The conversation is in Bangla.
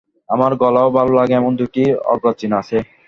আমার গলাও ভালো লাগে এমন দুটি অর্বাচীন আছে।